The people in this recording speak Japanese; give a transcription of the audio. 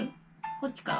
こっちから？